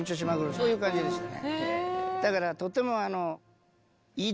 そういう感じでしたね。